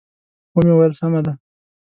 و مې ویل: سمه ده.